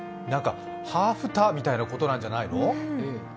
ハーフタみたいなことなんじゃないの？